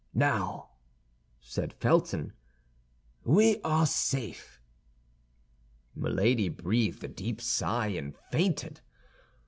"Now," said Felton, "we are safe." Milady breathed a deep sigh and fainted.